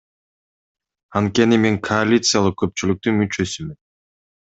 Анткени мен коалициялык көпчүлүктүн мүчөсүмүн.